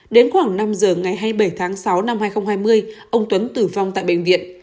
đến khoảng năm giờ ngày hai mươi bảy tháng sáu năm hai nghìn hai mươi ông tuấn tử vong tại bệnh viện